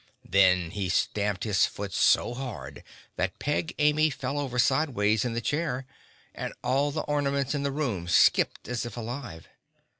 Then he stamped his foot so hard that Peg Amy fell over sideways in the chair and all the ornaments in the room skipped as if alive.